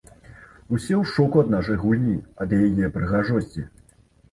Усе ў шоку ад нашай гульні, ад яе прыгажосці.